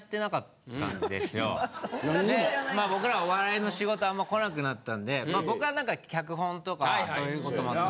まあ僕らお笑いの仕事あんまり来なくなったんで僕は何か脚本とかそういうこともあって。